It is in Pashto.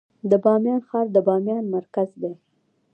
د بامیان ښار د بامیان مرکز دی